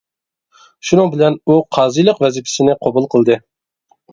شۇنىڭ بىلەن ئۇ قازىلىق ۋەزىپىسىنى قوبۇل قىلدى.